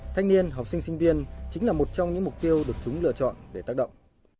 thanh niên học sinh sinh viên chính là một trong những mục tiêu được chúng lựa chọn để tác động